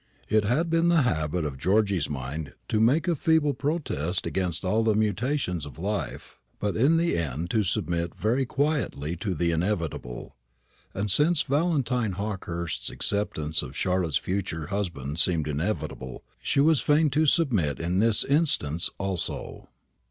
It had been the habit of Georgy's mind to make a feeble protest against all the mutations of life, but in the end to submit very quietly to the inevitable; and since Valentine Hawkehurst's acceptance as Charlotte's future husband seemed inevitable, she was fain to submit in this instance also.